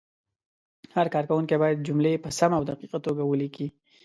هر کارونکی باید جملې په سمه او دقیقه توګه ولیکي.